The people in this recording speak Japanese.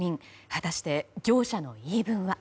果たして業者の言い分は？